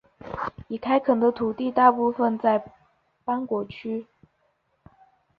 已开垦的土地大部分在邦果区。